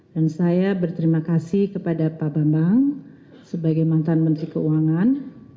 dan saya berterima kasih kepada pak bambang sebagai mantan menteri keuangan